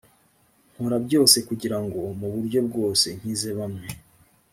nkora byose kugira ngo mu buryo bwose nkize bamwe